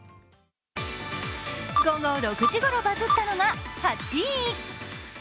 午後６時ごろバズったのが８位。